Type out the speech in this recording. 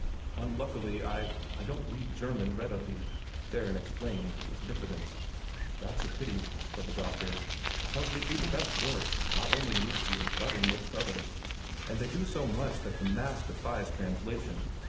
"Unluckily I I don't read German readily," Theron explained with diffidence. "That's a pity," said the doctor, "because they do the best work not only in this field, but in most others. And they do so much that the mass defies translation.